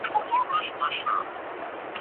پناه غوښتونکي خپل هیواد په مجبوری پریږدي.